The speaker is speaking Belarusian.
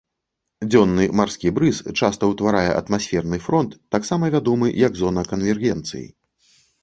Дзённы марскі брыз часта ўтварае атмасферны фронт, таксама вядомы як зона канвергенцыі.